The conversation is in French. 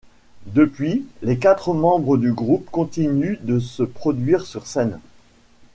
Depuis, les quatre membres du groupe continuent de se produire sur scène.